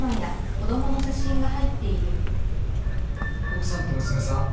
奥さんと娘さん